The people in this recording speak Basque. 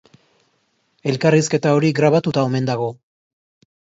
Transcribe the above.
Elkarrizketa hori grabatuta omen dago.